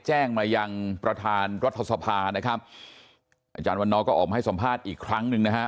แจ้งมายังประธานรัฐสภานะครับอาจารย์วันนอร์ก็ออกมาให้สัมภาษณ์อีกครั้งหนึ่งนะฮะ